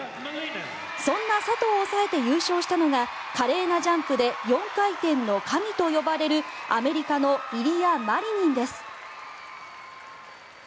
そんな佐藤を抑えて優勝したのが華麗なジャンプで４回転の神と呼ばれるアメリカのイリア・マリニンです。